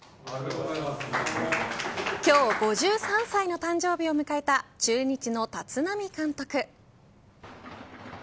今日５３歳の誕生日を迎えた中日の立浪監督。